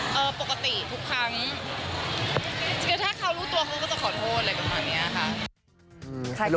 แต่ว่าไม่ใช่เรื่องส่วนตัว